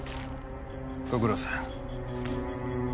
ご苦労さん。